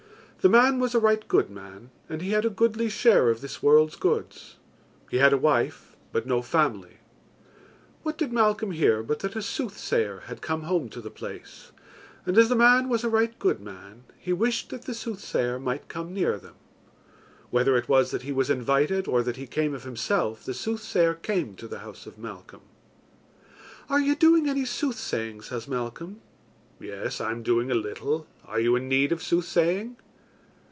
The man was a right good man, and he had a goodly share of this world's goods. He had a wife, but no family. What did Malcolm hear but that a soothsayer had come home to the place, and as the man was a right good man, he wished that the soothsayer might come near them. Whether it was that he was invited or that he came of himself, the soothsayer came to the house of Malcolm. "Are you doing any soothsaying?" says Malcolm. "Yes, I am doing a little. Are you in need of soothsaying?"